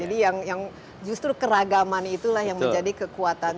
jadi justru keragaman itulah yang menjadi kekuatan